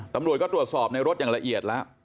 ตำรวจก็ตรวจสอบในรถอย่างละเอียดแล้ว